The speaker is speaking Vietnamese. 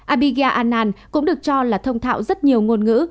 abhigya anand cũng được cho là thông thạo rất nhiều ngôn ngữ